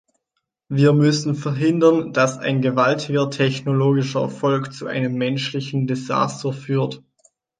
Wir müssen verhindern, dass ein gewaltiger technologischer Erfolg zu einem menschlichen Desaster führt.